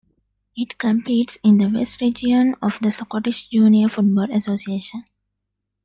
It competes in the West Region of the Scottish Junior Football Association.